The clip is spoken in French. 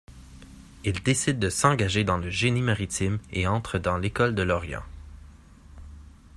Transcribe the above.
Il décide de s'engager dans le Génie maritime et entre à l'école de Lorient.